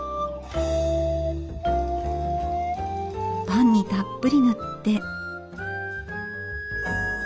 パンにたっぷり塗って。